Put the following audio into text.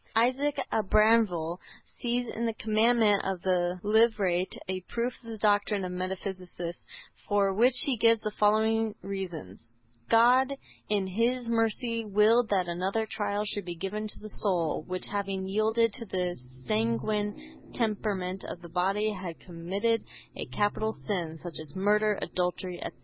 Isaac Abravanel sees in the commandment of the Levirate a proof of the doctrine of metempsychosis for which he gives the following reasons: (1) God in His mercy willed that another trial should be given to the soul, which having yielded to the sanguine temperament of the body had committed a capital sin, such as murder, adultery, etc.